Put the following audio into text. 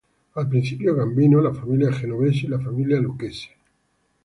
Al principio, Gambino, la familia Genovese y la familia Lucchese.